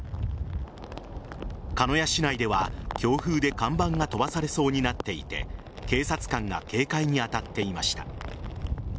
鹿屋市内では強風で看板が飛ばされそうになっていて警察官が警戒に当たっていました。